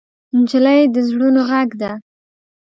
نجلۍ د زړونو غږ ده.